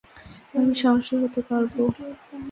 আমি সাহসী হতে পারবো।